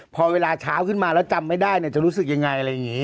พอเวลาเช้าขึ้นมาแล้วจำไม่ได้จะรู้สึกยังไงอะไรอย่างนี้